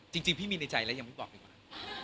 จริงพี่มีในใจแล้วยังไม่บอกดีกว่า